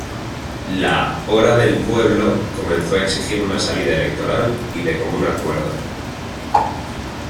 La Hora del Pueblo comenzó a exigir una salida electoral y de común acuerdo.